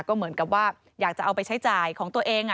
ก็เหมือนกับว่าอยากจะเอาไปใช้จ่ายของตัวเอง